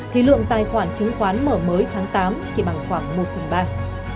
thì lượng tài khoản chứng khoán mở mới tháng tám chỉ bằng khoảng một phần ba